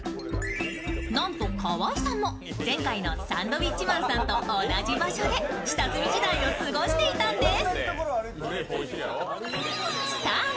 なんと河合さんも前回のサンドウィッチマンさんと同じ場所で下積み時代を過ごしていたんです。